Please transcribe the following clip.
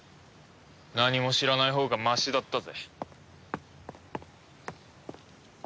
何も知らないほうがマシだったぜ。